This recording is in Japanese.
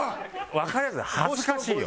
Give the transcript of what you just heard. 「わかりやすい」恥ずかしいよ。